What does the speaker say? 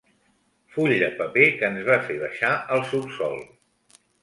Full de paper que ens va fer baixar al subsòl.